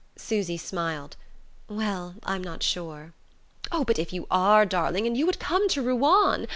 Susy smiled. "Well, I'm not sure." "Oh, but if you are, darling, and you would come to Ruan!